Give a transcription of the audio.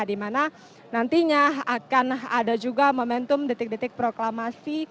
dimana nantinya akan ada juga momentum detik detik proklamasi